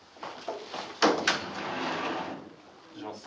失礼します。